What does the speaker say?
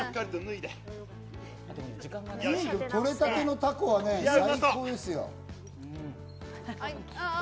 取れたてのタコは最高ですよ。